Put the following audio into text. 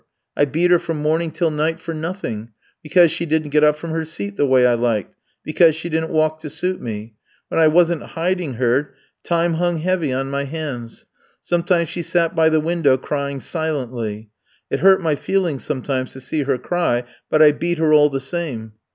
I beat her from morning till night for nothing; because she didn't get up from her seat the way I liked; because she didn't walk to suit me. When I wasn't hiding her, time hung heavy on my hands. Sometimes she sat by the window crying silently it hurt my feelings sometimes to see her cry, but I beat her all the same.